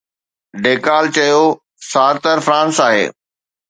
De Gaulle چيو: Sartre France آهي.